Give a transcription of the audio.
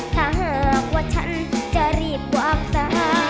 ถ้าหากว่าฉันจะรีบกว่าอักษะ